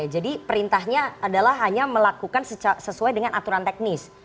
jadi perintahnya adalah hanya melakukan sesuai dengan aturan teknis